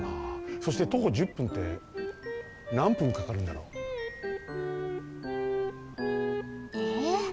そして徒歩１０分ってなん分かかるんだろう？えっ？